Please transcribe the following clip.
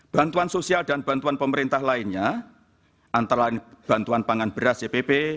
bantuan sosial dan bantuan pemerintah lainnya antara lain bantuan pangan beras cpp